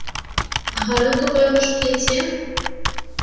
А гарэлку пэўна ж п'яце?